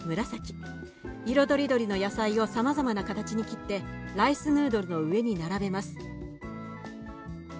色とりどりの野菜をさまざまな形に切ってライスヌードルの上に並べます。